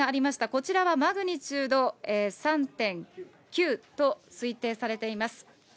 こちらはマグニチュード３．９と推定されています。